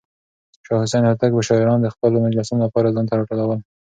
شاه حسين هوتک به شاعران د خپلو مجلسونو لپاره ځان ته راټولول.